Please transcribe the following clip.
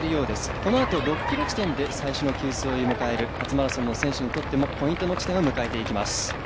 このあと６ｋｍ地点で最初の給水を迎える初マラソンの選手にとっても、ポイントの地点を迎えていきます。